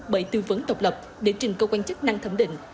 bởi tư vấn độc lập để trình cơ quan chức năng thẩm định